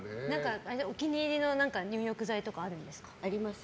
お気に入りの入浴剤とかありますか？